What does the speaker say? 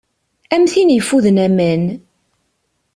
Am tin yeffuden aman.